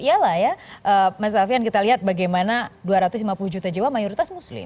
iyalah ya mas alfian kita lihat bagaimana dua ratus lima puluh juta jiwa mayoritas muslim